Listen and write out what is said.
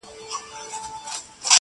د مرغانو په کتار کي راتلای نه سې-